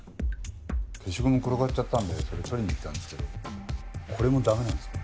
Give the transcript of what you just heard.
消しゴムが転がっちゃったんでそれ取りに行ったんですけどこれも駄目なんですか？